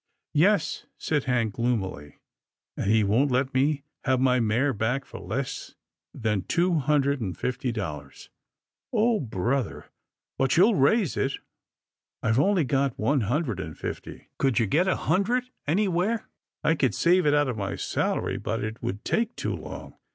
" Yes," said Hank gloomily, " and he won't let me have my mare back for less than two hundred and fifty dollars." " Oh, brother! but you'll raise it? "^" I've only got one hundred and fifty." " Could you get a hundred anywhere ?"" I could save it out of my salary, but it would take too long.